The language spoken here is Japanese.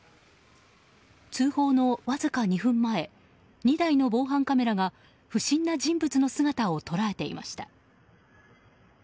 通報のわずか２分前２台の防犯カメラが不審な人物の姿を捉えていました。